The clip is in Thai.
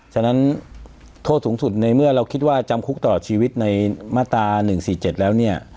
ฉะนั้นโทษสูงสุดในเมื่อเราคิดว่าจำคุกตลอดชีวิตในมาตรา๑๔๗แล้วเนี่ย